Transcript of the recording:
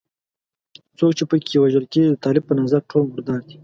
څوک چې په کې وژل کېږي د طالب په نظر ټول مردار دي.